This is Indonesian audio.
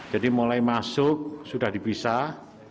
jadi mulai masuk sudah dipisah